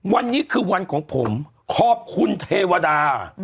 วันนี้คือวันของผมขอบคุณเทวดา